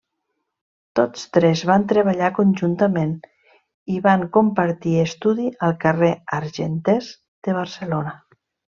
Tots tres van treballar conjuntament i van compartir estudi al carrer Argenters de Barcelona.